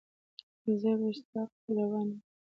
زه رُستاق ته روان یم.